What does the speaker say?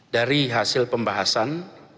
dari hasil pembahasan